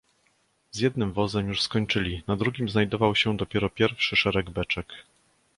"Z jednym wozem już skończyli, na drugim znajdował się dopiero pierwszy szereg beczek."